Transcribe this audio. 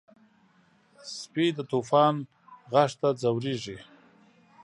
سپي د طوفان غږ ته ځورېږي.